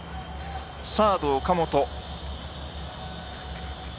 サードは岡本。